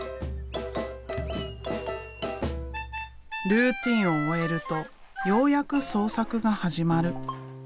ルーティンを終えるとようやく創作が始まる。